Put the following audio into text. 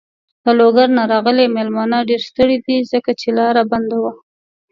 له لوګر نه راغلی مېلمانه ډېر ستړی دی. ځکه چې لاره بنده وه.